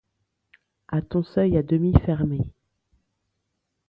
A ton seuil à demi fermé